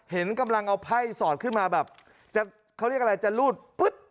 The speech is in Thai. เห็นกำลังเอาไพ่สอดขึ้นมาแบบจะเขาเรียกอะไรจะรูดปึ๊ด